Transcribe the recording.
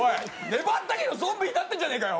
粘ったけどゾンビになってんじゃねえかよ。